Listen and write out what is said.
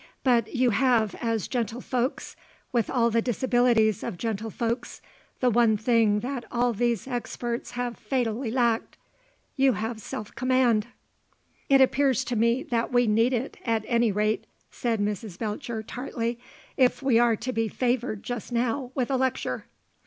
But you have as gentlefolks, with all the disabilities of gentlefolks, the one thing that all these experts have fatally lacked. You have self command." "It appears to me that we need it, at any rate," said Miss Belcher, tartly, "if we are to be favoured just now with a lecture."